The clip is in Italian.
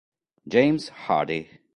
James Hardy